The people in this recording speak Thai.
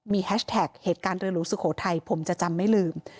มีแฮชแท็กเหตุการณ์เรือหลวงสุโขทัยผมจะจำไม่ลืม